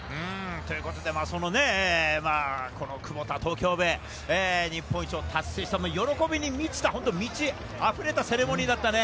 そのね、クボタ東京ベイ、日本一を達成した喜びに満ちた、満ち溢れたセレモニーだったね。